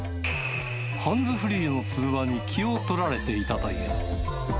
ハンズフリーの通話に気を取られていたという。